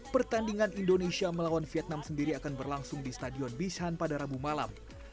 pertandingan indonesia melawan vietnam sendiri akan berlangsung di stadion bishan pada rabu malam